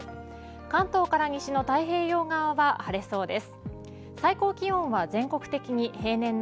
関東から西の太平洋側は晴れそうです。